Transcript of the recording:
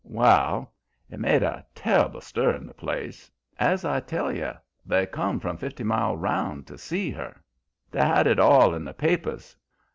"Wal, it made a terrible stir in the place. As I tell you, they come from fifty mile around to see her. They had it all in the papers.